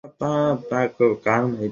কাঁধে থালা, ওজুর বদনা ঝুলিয়ে নিলেন।